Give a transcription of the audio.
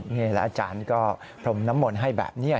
นี่แล้วอาจารย์ก็พรมน้ำมนต์ให้แบบนี้